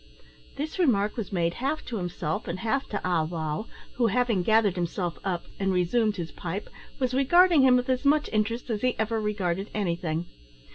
This remark was made half to himself and half to Ah wow, who, having gathered himself up, and resumed his pipe, was regarding him with as much interest as he ever regarded anything.